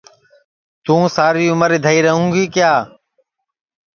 توں ساری عمر اِدھائی رئوں گی کیا